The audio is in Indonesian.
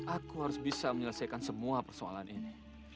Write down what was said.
aku harus bisa menyelesaikan semua persoalan ini